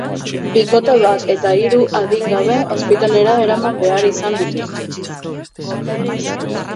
Bikote bat eta hiru adingabe ospitalera eraman behar izan dituzte.